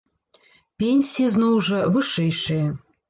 Пенсіі, зноў жа, вышэйшыя.